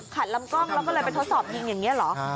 ลำกล้องแล้วก็เลยไปทดสอบยิงอย่างนี้เหรอ